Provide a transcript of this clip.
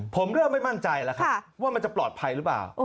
ผมเรื่องไม่มั่นใจว่ามันจะปลอดภัยหรือเปล่า